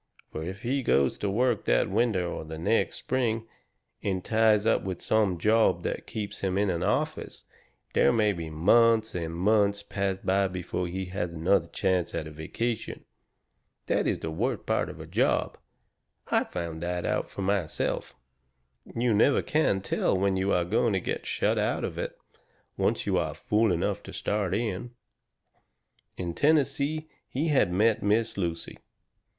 Fur if he goes to work that winter or the next spring, and ties up with some job that keeps him in an office, there may be months and months pass by before he has another chance at a vacation. That is the worst part of a job I found that out myself you never can tell when you are going to get shut of it, once you are fool enough to start in. In Tennessee he had met Miss Lucy.